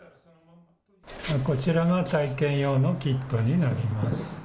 こちらが体験用のキットになります。